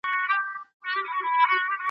که دي تڼۍ شلېدلي نه وي څوک دي څه پیژني .